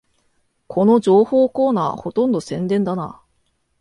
この情報コーナー、ほとんど宣伝だな